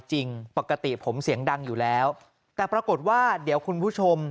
จริงปกติผมเสียงดังอยู่แล้วแต่ปรากฏว่าเดี๋ยวคุณผู้ชม